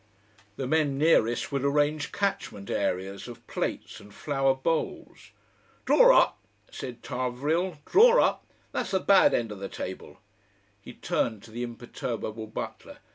The men nearest would arrange catchment areas of plates and flower bowls. "Draw up!" said Tarvrille, "draw up. That's the bad end of the table!" He turned to the imperturbable butler.